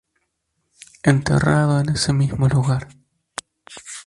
Enterrado en ese mismo lugar.